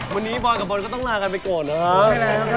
วันนี้บอยด์กับบนก็ต้องลากันไปก่อนนะฮะ